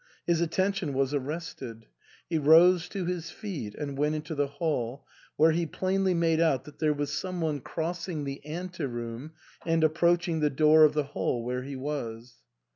His attention was ar rested ; he rose to his feet and went into the hall, where he plainly made out that there was some one crossing the ante room and approaching the door oJ[ the hall where he was.